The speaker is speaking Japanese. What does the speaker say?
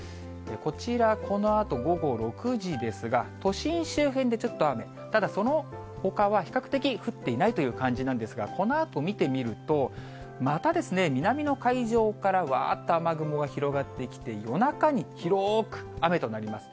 こちら、このあと午後６時ですが、都心周辺でちょっと雨、ただ、そのほかは比較的、降っていないという感じなんですが、このあと見てみると、またですね、南の海上から、わーっと雨雲が広がってきて、夜中に広く雨となります。